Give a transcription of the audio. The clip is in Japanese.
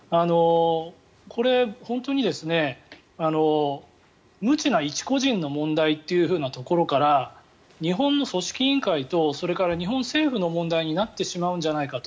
これ、本当に無知な一個人の問題というところから日本の組織委員会と日本政府の問題になってしまうんじゃないかと。